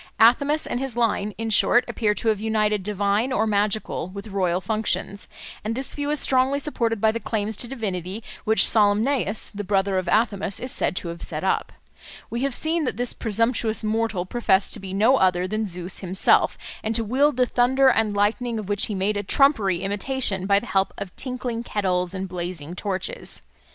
Athamas and his line, in short, appear to have united divine or magical with royal functions; and this view is strongly supported by the claims to divinity which Salmoneus, the brother of Athamas, is said to have set up. We have seen that this presumptuous mortal professed to be no other than Zeus himself, and to wield the thunder and lightning, of which he made a trumpery imitation by the help of tinkling kettles and blazing torches.